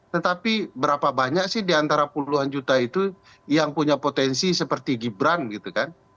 tetapi berapa banyak sih diantara puluhan juta itu yang punya potensi seperti gibran gitu kan